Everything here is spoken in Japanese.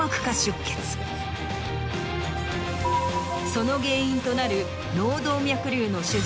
その原因となる。